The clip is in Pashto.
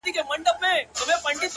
هغې ويل اور-